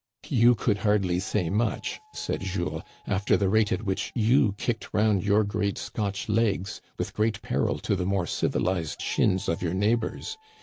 *' You could hardly say much," said Jules, " after the rate at which you kicked round your great Scotch legs with great peril to the more civilized shins of your neigh bors.